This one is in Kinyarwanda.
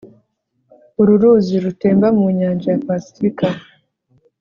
uru ruzi rutemba mu nyanja ya pasifika